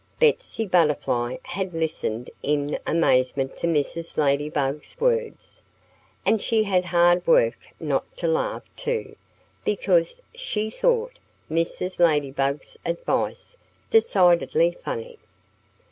Betsy Butterfly had listened in amazement to Mrs. Ladybug's words. And she had hard work not to laugh, too, because she thought Mrs. Ladybug's advice decidedly funny.